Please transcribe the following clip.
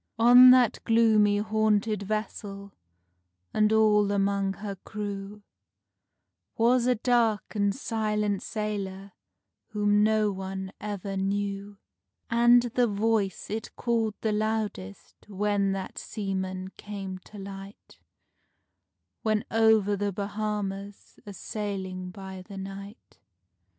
On that gloomy haunted vessel, and all among her crew, Was a dark and silent sailor whom no one ever knew; And the Voice it called the loudest when that seaman came to light, When over the Bahamas a sailing by the night.